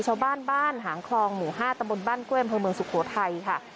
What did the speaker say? ชาวบ้านบ้านหางคลองหมู่ห้าตำบลบ้านเก้วเมืองสุโขทัยค่ะ